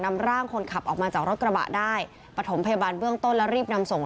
นำร่างคนขับออกมาจากรถกระบะได้ปฐมพยาบาลเบื้องต้นแล้วรีบนำส่ง